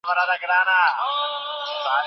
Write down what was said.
ولي مورنۍ ژبه د زده کړې مساوات ته مرسته کوي؟